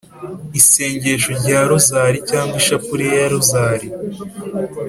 isengesho rya rozari cg ishapure ya rozari »,